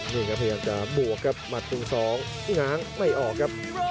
พยายามจะบวกครับหมัดตรงสองทิ้งหางไม่ออกครับ